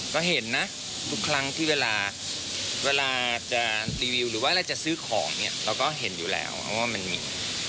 ก็เห็นนะทุกครั้งที่เวลาเวลาจะรีวิวหรือว่าเราจะซื้อของเนี่ยเราก็เห็นอยู่แล้วว่ามันมี